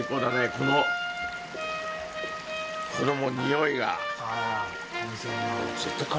このこのにおいが。